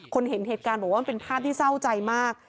เห็นเหตุการณ์บอกว่ามันเป็นภาพที่เศร้าใจมาก